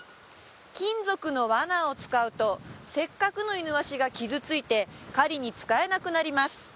金属のワナを使うとせっかくのイヌワシが傷ついて狩りに使えなくなります